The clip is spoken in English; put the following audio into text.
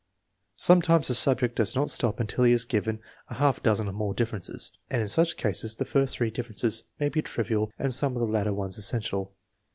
Sometimes the subject does not stop until he has given a half dozen or more differences, and in such cases the first three differences may be trivial and some of the later ones essential.